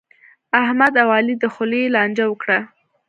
احمد او علي د خولې لانجه وکړه.